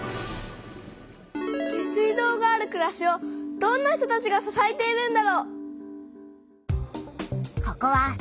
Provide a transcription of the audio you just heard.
下水道があるくらしをどんな人たちが支えているんだろう？